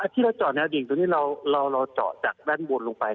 ที่เราเจาะแนวดิ่งตรงนี้เราเจาะจากด้านบนลงไป